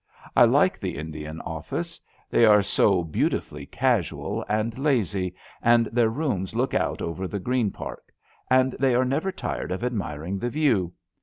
I like the Indian Office. They are so beautifully casual and lazy, and their rooms look out over the Green Park, and they are never tired of admiring the view.